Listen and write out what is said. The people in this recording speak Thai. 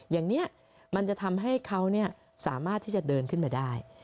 อย่างนี้มันจะทำให้เขาสามารถที่จะเดินขึ้นมาได้